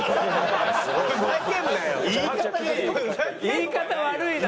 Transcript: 言い方悪いな！